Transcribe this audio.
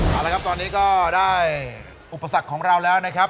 เอาละครับตอนนี้ก็ได้อุปสรรคของเราแล้วนะครับ